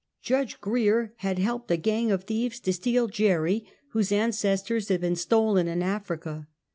Judge Grier had helped a gang of thieves to steal Jerry, whose ancestors had been stolen in Africa.